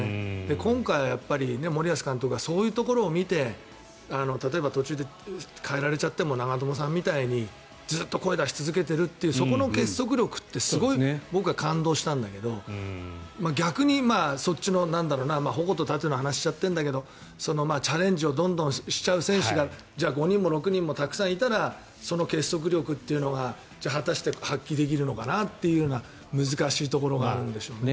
今回、森保監督はそういうところを見て例えば途中で代えられちゃっても長友さんみたいにずっと声を出し続けているというそこの結束力ってすごい僕は感動したんだけど逆にそっちの矛と盾の話をしちゃってるんだけどチャレンジをどんどんしちゃう選手が５人も６人もたくさんいたらその結束力っていうのが果たして発揮できるのかな？という難しいところがあるんでしょうね。